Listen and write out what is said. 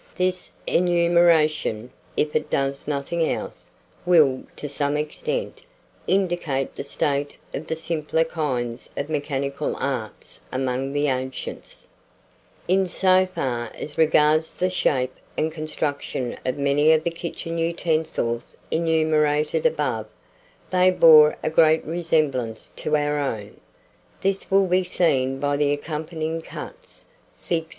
This enumeration, if it does nothing else, will, to some extent, indicate the state of the simpler kinds of mechanical arts among the ancients. [Illustration: Fig. 6.] [Illustration: Fig. 7.] [Illustration: Fig. 8.] In so far as regards the shape and construction of many of the kitchen utensils enumerated above, they bore a great resemblance to our own. This will be seen by the accompanying cuts. Fig.